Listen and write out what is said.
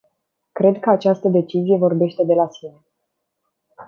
Cred că această decizie vorbește de la sine.